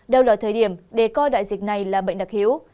đâu là thời điểm để coi đại dịch này là bệnh đặc hữu